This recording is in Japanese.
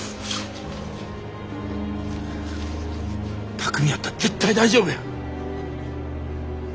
巧海やったら絶対大丈夫や。